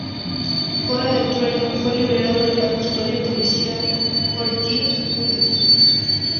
Bola de Trueno fue liberado de la custodia policial por Jeff Wilde.